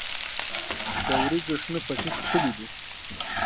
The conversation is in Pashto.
د وریجو شنه پټي ښکلي دي.